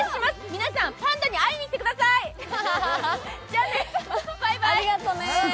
皆さん、パンダに会いに来てください、じゃね。